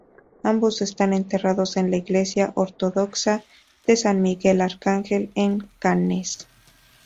Ambos están enterrados en la Iglesia Ortodoxa de San Miguel Arcángel en Cannes.